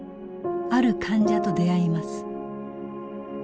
ある患者と出会います。